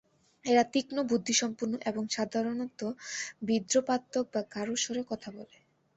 এরা তীক্ষ্ণ বুদ্ধিসম্পন্ন এবং সাধারণত বিদ্রূপাত্মক বা গাঢ় স্বরে কথা বলে।